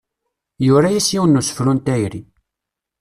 Yura-as yiwen n usefru n tayri.